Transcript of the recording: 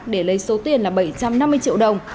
để lấy số tiền là bảy trăm năm mươi triệu đồng